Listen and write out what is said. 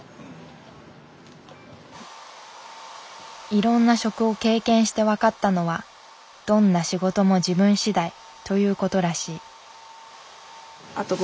いろんな職を経験して分かったのはどんな仕事も自分しだいということらしい。